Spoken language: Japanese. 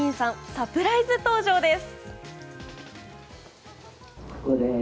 サプライズ登場です。